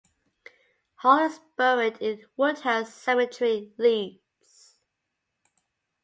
Hull is buried in Woodhouse Cemetery, Leeds.